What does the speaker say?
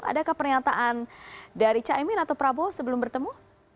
adakah pernyataan dari caimin atau prabowo sebelum bertemu